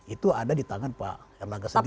itu ada di tangan pak erlangga sendiri